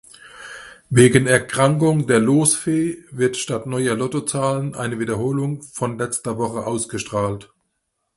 Wegen Erkrankung der Losfee wird statt neuer Lottozahlen eine Wiederholung von letzter Woche ausgestrahlt.